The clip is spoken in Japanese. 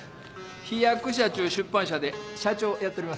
飛躍社ちゅう出版社で社長やっとります。